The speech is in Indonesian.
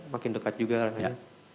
makin dekat juga arahannya